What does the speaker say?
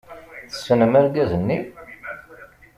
Tessnem argaz-nni?